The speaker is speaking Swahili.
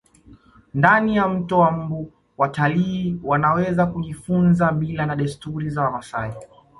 ndani ya mto wa mbu watalii wanaweza kujifunza mila na desturi za wamasai